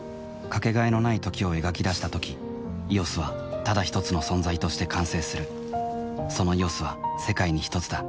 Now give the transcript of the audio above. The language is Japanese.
かけがえのない「時」を描き出したとき「ＥＯＳ」はただひとつの存在として完成するその「ＥＯＳ」は世界にひとつだ